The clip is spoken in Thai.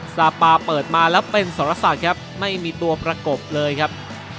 ซาปาเปิดมาแล้วเป็นสรศักดิ์ครับไม่มีตัวประกบเลยครับ